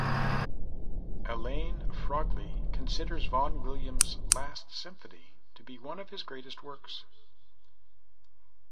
Alain Frogley considers Vaughan Williams's last symphony to be one of his greatest works.